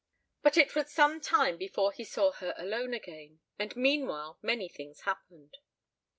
XXIII But it was some time before he saw her alone again, and meanwhile many things happened.